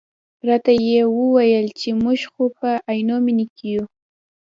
راته یې وویل چې موږ خو په عینومېنه کې یو.